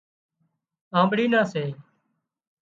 آنٻڙي نان سي